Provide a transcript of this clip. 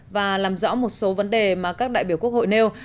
và làm rõ một số vấn đề mà các đại biểu quốc hội nêu